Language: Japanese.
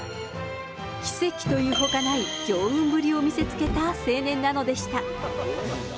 奇跡というほかない強運ぶりを見せつけた青年なのでした。